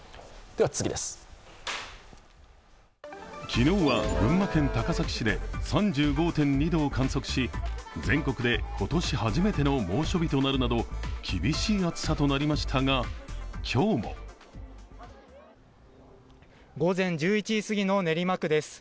昨日は群馬県高崎市で３５．２度を観測し全国で今年初めての猛暑日となるなど厳しい暑さとなりましたが、今日も午前１１時すぎの練馬区です。